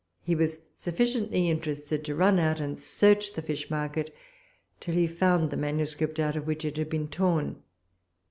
He was sufficiently interested to run out and search the fish market, till he found the manuscript out of which it had been torn.